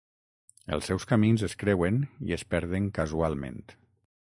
Els seus camins es creuen i es perden casualment.